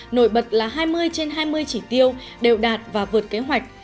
nội bật là hai mươi trên hai mươi chỉ tiêu đều đạt và vượt kế hoạch